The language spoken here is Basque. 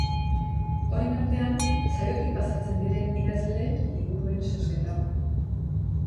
Horien artean, saiotik pasatzen diren idazleen liburuen zozketa.